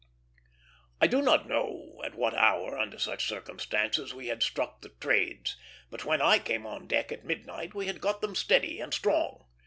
I do not know at what hour under such circumstances we had struck the trades, but when I came on deck at midnight we had got them steady and strong.